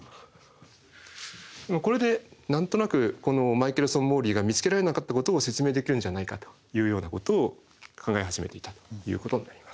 これで何となくこのマイケルソンモーリーが見つけられなかったことを説明できるんじゃないかというようなことを考え始めていたということになります。